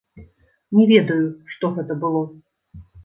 Не ведаю, што гэта было.